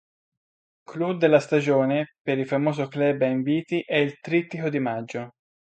Clou della stagione, per il famoso club a inviti, è il trittico di maggio.